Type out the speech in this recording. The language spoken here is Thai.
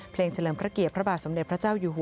เฉลิมพระเกียรติพระบาทสมเด็จพระเจ้าอยู่หัว